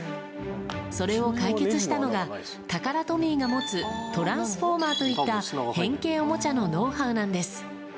それを解決したのが、タカラトミーが持つトランスフォーマーといった変形おもちゃのノ